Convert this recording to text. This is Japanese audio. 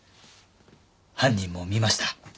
犯人も見ました。